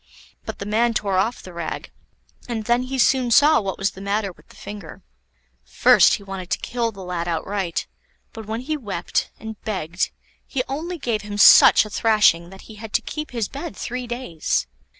But the man tore off the rag, and then he soon saw what was the matter with the finger. First he wanted to kill the lad outright, but when he wept, and begged, he only gave him such a thrashing that he had to keep his bed three days.